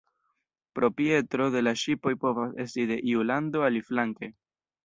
Proprieto de la ŝipoj povas esti de iu lando, aliflanke.